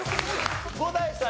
伍代さん